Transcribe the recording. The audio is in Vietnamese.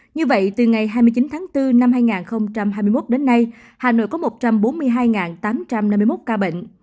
như vậy từ ngày hai mươi chín tháng bốn năm hai nghìn hai mươi một đến nay hà nội có một trăm bốn mươi hai tám trăm năm mươi một ca bệnh